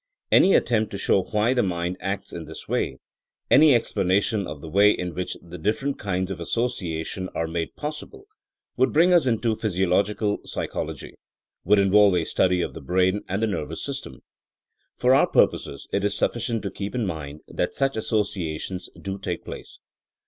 Any attempt to show why the mind acts in this way, any explanation of the way in which the different kinds of association are made pos sible, would bring us into physiological psychol ogy, would involve a study of the brain oad the nervous system. For our purposes it is suffi cient to keep in mind that such associations do take place.